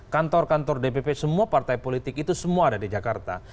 kantor kantor dpp semua partai politik itu semua ada di jakarta